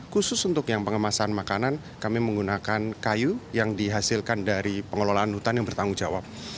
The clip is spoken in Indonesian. khusus untuk yang pengemasan makanan kami menggunakan kayu yang dihasilkan dari pengelolaan hutan yang bertanggung jawab